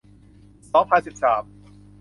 สองพันสิบสาม